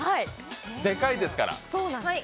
でかいですから。